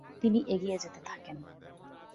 তিনি এগিয়ে যেতে থাকেন।